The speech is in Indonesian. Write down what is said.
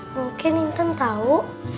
mungkin intan tau